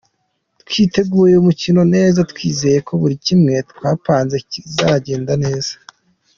Twiteguye umukino neza, twizeye ko buri kimwe twapanze kizagenda neza.